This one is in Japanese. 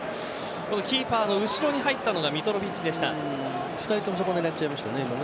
キーパーの後ろに入ったのがミトロヴィッチでした。